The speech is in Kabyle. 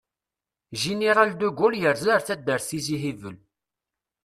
Jiniral de Gaulle yerza ar taddart Tizi Hibel.